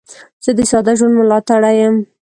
زه د ساده ژوند ملاتړی یم.